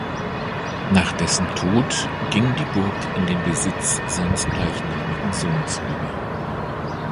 Nach dessen Tod ging die Burg in den Besitz seines gleichnamigen Sohns über.